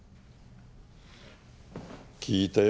聞いたよ